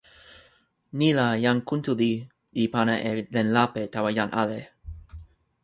ni la, jan Kuntuli li pana e len lape tawa jan ale.